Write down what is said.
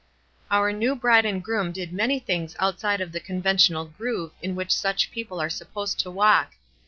Our new bride and groom did many things outside of the conventional groove in which such people are supposed to walk.